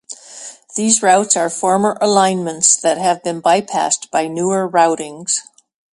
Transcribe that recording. These routes are former alignments that have been bypassed by newer routings.